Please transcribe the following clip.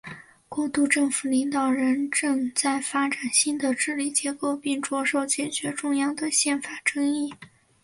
过渡政府领导人正在发展新的治理结构并着手解决重要的宪法争议。